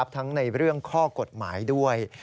ทั้งในเรื่องข้อกฎหมายด้วย